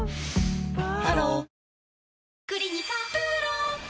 ハロー